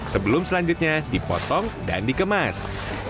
sebelum selanjutnya dipotong dan dikemas